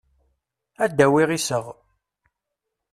Ad d-awiɣ iseɣ.